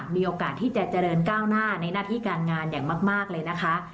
มีโอกาสที่จะเจริญก้าวหน้าในหน้าที่การงานอย่างมากเลยนะคะ